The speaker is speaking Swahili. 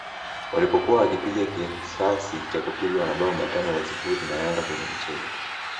walipokuwa wakipiga kisasi cha kupigwa mabao matano kwa sifuri na Yanga kwenye mchezo